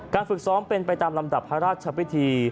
ฝึกซ้อมเป็นไปตามลำดับพระราชพิธี